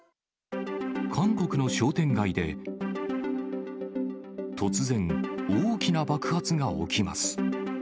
韓国の商店街で突然、大きな爆発が起きます。